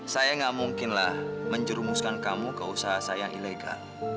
saya nggak mungkinlah menjerumuskan kamu ke usaha saya yang ilegal